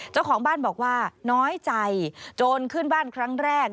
เจ้าของบ้านบอกว่าน้อยใจโจรขึ้นบ้านครั้งแรก